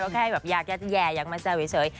ก็แค่แบบแยกแยกแยกมาแซวเฉย